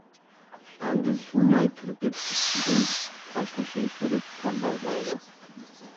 ئاندىن سۇ ماي پۈركۈپ ئۈستىدىن قاشتېشى سۈرۈپ پەردازلايدۇ.